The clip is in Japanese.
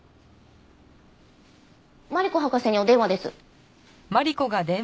マリコ博士にお電話です。